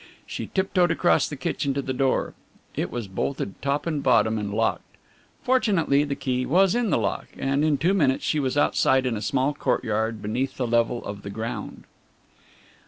She tiptoed across the kitchen to the door. It was bolted top and bottom and locked. Fortunately the key was in the lock, and in two minutes she was outside in a small courtyard beneath the level of the ground.